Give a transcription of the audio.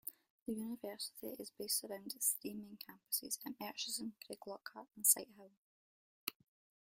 The university is based around its three main campuses at Merchiston, Craiglockhart and Sighthill.